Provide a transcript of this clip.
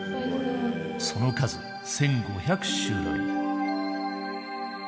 その数１，５００種類。